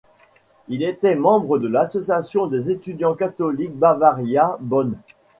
Il était membre de l'association des étudiants catholiques Bavaria Bonn.